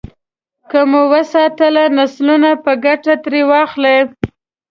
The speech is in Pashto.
که مو وساتله، نسلونه به ګټه ترې واخلي.